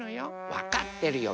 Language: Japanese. わかってるよ